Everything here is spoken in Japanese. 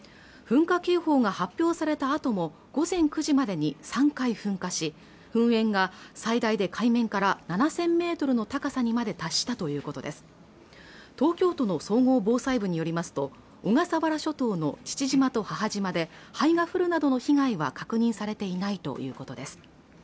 噴火警報が発表されたあとも午前９時までに３回噴火し噴煙が最大で海面から７０００ｍの高さにまで達したということです東京都の総合防災部によりますと小笠原諸島の父島と母島で灰が降るなどの被害は確認されていないということです